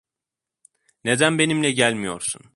Neden benimle gelmiyorsun?